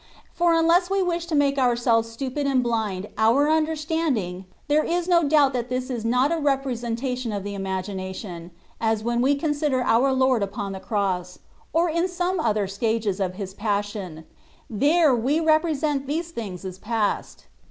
For imless we wish to make ourselves stupid and blind our understanding, there is no doubt that this is not a representation of the imagination, as when we consider our Lord upon the cross, 9r in some other stages of his passion : there we repre sent these things as past.